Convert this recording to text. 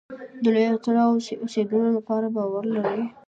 د لوی اتل اوسېدلو لپاره باور ولرئ.